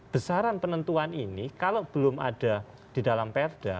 besaran penentuan ini kalau belum ada di dalam perda